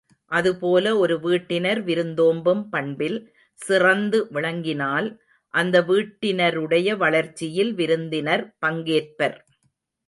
அதுபோல ஒரு வீட்டினர் விருந்தோம்பும் பண்பில் சிறந்து விளங்கினால் அந்த வீட்டினருடைய வளர்ச்சியில் விருந்தினர் பங்கேற்பர்.